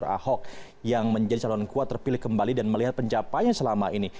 ahok yang menjadi calon kuat terpilih kembali dan melihat pencapainya selama ini